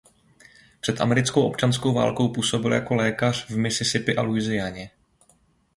Před americkou občanskou válkou působil jako lékař v Mississippi a Louisianě.